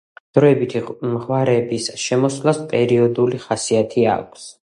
დროებითი ღვარების შემოსვლას პერიოდული ხასიათი აქვს.